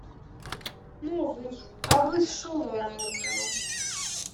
— Мовить, аби-с шолома зняв.